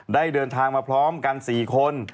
ได้เดินทางมาพร้อมกัน๔คน